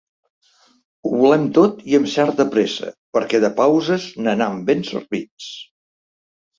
Ho volem tot i amb certa pressa perquè de pauses n’anam ben servits.